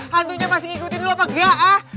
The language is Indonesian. hantunya masih ngikutin lu apa gak ah